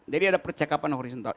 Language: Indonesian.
jadi ada percakapan horizontal